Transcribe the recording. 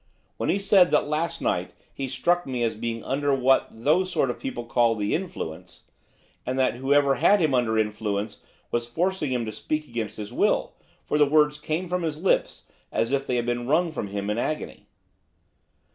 When he said that last night he struck me as being under what those sort of people call "influence," and that whoever had him under influence was forcing him to speak against his will, for the words came from his lips as if they had been wrung from him in agony.